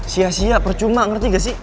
sia sia percuma ngerti gak sih